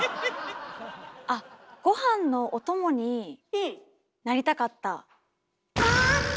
あごはんのおともになりたかった。